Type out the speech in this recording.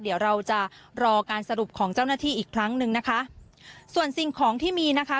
เดี๋ยวเราจะรอการสรุปของเจ้าหน้าที่อีกครั้งหนึ่งนะคะส่วนสิ่งของที่มีนะคะ